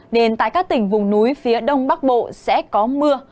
nên tại các tỉnh vùng núi phía đông bắc bộ sẽ có mưa